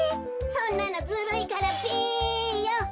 そんなのずるいからべよ。